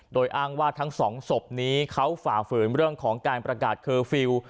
โดยอ้างว่าทั้งสองศพนี้เขาฝ่าฝืนเรื่องของการประกาศเคอร์ฟิลล์